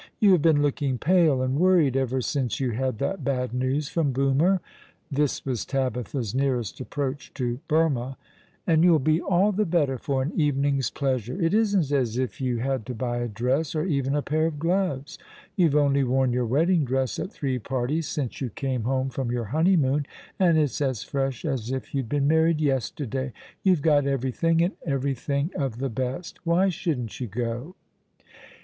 "You have been looking pale and worried ever since you had that bad news from Broomer," this was Tabitha's nearest approach to Burmah, " and you'll be all the better for an evening's pleasure. It isn't as if you had to buy a dress, or even a pair of gloves. You've only worn your wedding dress at three parties since you came home from your honeymoon, and it's as fresh as if you'd been married yesterday. You've got everything, and every thing of the best. Why shouldn't you go